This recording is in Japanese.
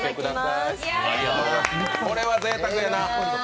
これはぜいたくやな。